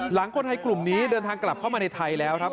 คนไทยกลุ่มนี้เดินทางกลับเข้ามาในไทยแล้วครับ